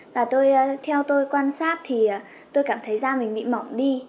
và theo tôi quan sát thì tôi cảm thấy ra mình bị mỏng đi